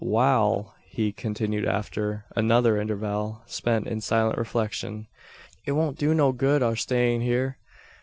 "Wal," he continued after another interval spent in silent reflection, "It won't do no good our stayin' hyur.